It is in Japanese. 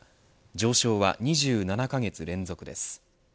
上昇は２７カ月連続です。